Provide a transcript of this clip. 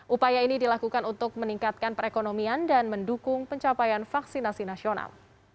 upaya ini dilakukan untuk meningkatkan perekonomian dan mendukung pencapaian vaksinasi nasional